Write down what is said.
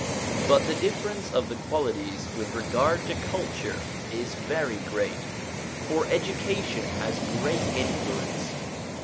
But the difference of the qualities with regard to culture is very great ; for education has great influence.